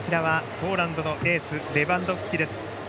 ポーランドのエースレバンドフスキです。